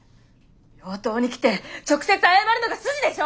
病棟に来て直接謝るのが筋でしょ！